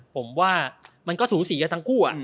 ผมว่ามันก็สูสีกันทั้งคู่